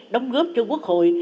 đóng góp cho quốc hội